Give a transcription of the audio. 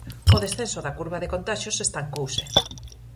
O descenso da curva de contaxios estancouse.